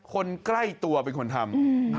คนใกล้ตัวเป็นคนทำ